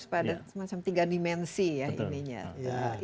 pada semacam tiga dimensi ya ininya